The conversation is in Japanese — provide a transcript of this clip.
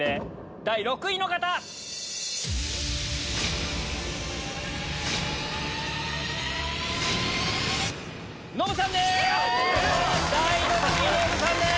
第６位ノブさんです！